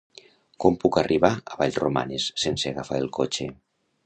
Com puc arribar a Vallromanes sense agafar el cotxe?